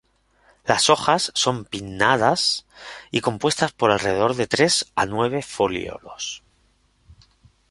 Las hojas son pinnadas y compuestas por alrededor de tres a nueve foliolos.